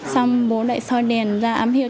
xong bố lại soi đèn ra ám hiệu